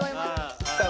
さあ